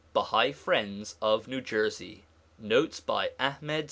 Bahai Friends of New Jersey. Notes by Ahmed